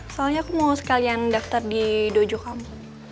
soalnya aku mau sekalian daftar di dojo kamu